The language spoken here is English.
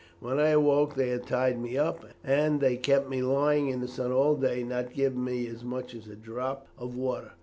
When I awoke they had tied me up, and they kept me lying in the sun all day, not giving me as much as a drop of water.